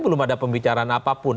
belum ada pembicaraan apapun